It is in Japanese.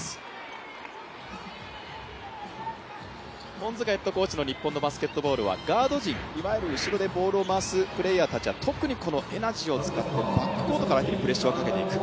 恩塚ヘッドコーチの日本のバスケットボールはガード陣、後ろでボールを回すプレーヤーたちは特にこのエナジーを使ってバックコートからでも相手にプレッシャーをかけていく。